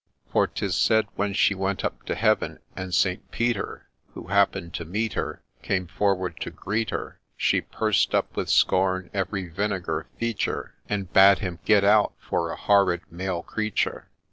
For, 'tis said, when she went up to Heaven, and St. Peter, Who happened to meet her, Came forward to greet her, She pursed up with scorn every vinegar feature, And bade him ' Get out for a horrid Male Creature